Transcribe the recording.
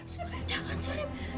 surip jangan surip